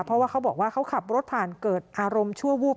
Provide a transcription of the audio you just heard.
เพราะว่าเขาบอกว่าเขาขับรถผ่านเกิดอารมณ์ชั่ววูบ